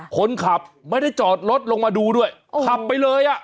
คนขับไม่ได้จอดรถลงมาดูด้วยขับไปเลยอ่ะ